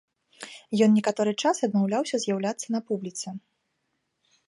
Ён некаторы час адмаўляўся з'яўляцца на публіцы.